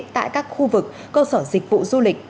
tại các khu vực cơ sở dịch vụ du lịch